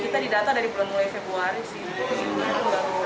kita didata dari bulan mulai februari sih